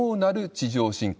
地上侵攻。